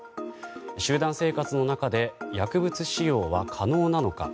集団生活の中で薬物使用は可能なのか。